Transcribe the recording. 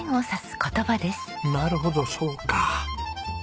なるほどそうかあ。